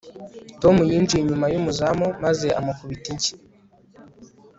tom yinjiye inyuma y'umuzamu maze amukubita inshyi